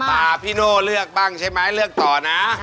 พี่โน่เลือกบ้างใช่ไหมเลือกต่อนะ